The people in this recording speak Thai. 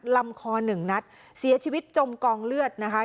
ลำคอหนึ่งนัดเสียชีวิตจมกองเลือดนะคะ